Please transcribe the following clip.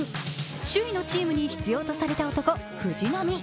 首位のチームに必要とされた男、藤浪。